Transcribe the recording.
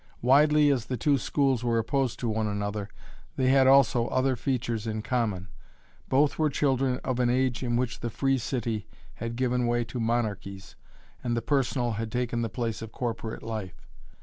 Widely as the two schools were opposed to one another, they had also other features in common. Both were children of an age in which the free city had given way to monarchies, and personal had taken the place of corporate life.